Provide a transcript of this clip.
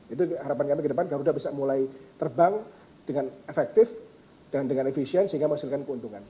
itu harapan kami ke depan garuda bisa mulai terbang dengan efektif dan dengan efisien sehingga menghasilkan keuntungan